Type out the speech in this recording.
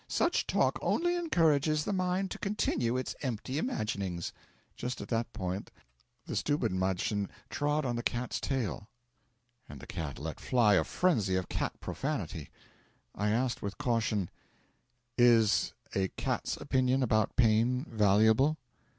Such talk only encourages the mind to continue its empty imaginings.' Just at that point the Stubenmadchen trod on the cat's tail, and the cat let fly a frenzy of cat profanity. I asked with caution: 'Is a cat's opinion about pain valuable?'